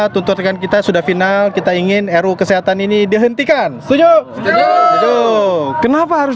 tuntutkan kita sudah final kita ingin ruu kesehatan ini dihentikan tujuh kenapa harus